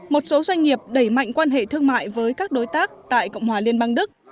một số doanh nghiệp đẩy mạnh quan hệ thương mại với các đối tác tại cộng hòa liên bang đức